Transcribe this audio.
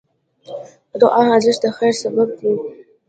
د دعا ارزښت د خیر سبب دی.